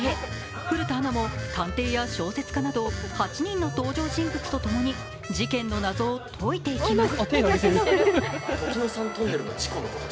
古田アナも探偵や小説家など８人の登場人物とともに事件の謎を解いていきます。